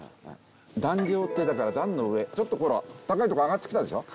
「壇上」ってだから壇の上ちょっとほら高い所上がってきたでしょ。